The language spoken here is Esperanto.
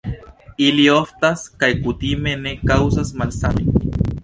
Ili oftas kaj kutime ne kaŭzas malsanojn.